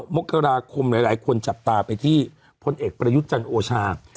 ๙มกราคมหลายคนจับตาไปที่พลเอกประยุจิริชาโอชาย